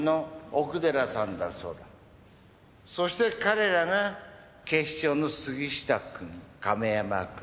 そして彼らが警視庁の杉下君亀山君。